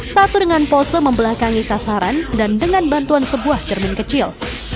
satu dengan pose membelakangi sasaran dan dengan bantuan sebuah cermin kecil